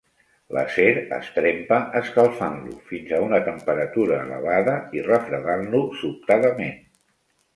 L'acer es trempa escalfant-lo fins a una temperatura elevada i refredant-lo sobtadament.